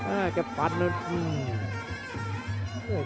อ้าวแกะปันอื้อ